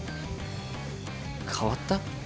変わった？